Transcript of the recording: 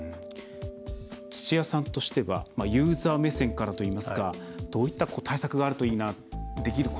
土屋さんとしてはユーザー目線からといいますかどういった対策があるといいなと思いますか？